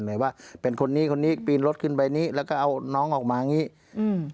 หมายว่าเป็นคนนี้คนนี้ปีนรถขึ้นไปนี้แล้วก็เอาน้องออกมาอย่างงี้อืม